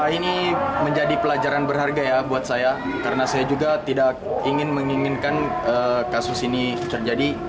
ini menjadi pelajaran berharga ya buat saya karena saya juga tidak ingin menginginkan kasus ini terjadi